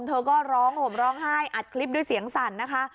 เธอก็ร้องห่มร้องไห้อัดคลิปด้วยเสียงสั่นนะคะ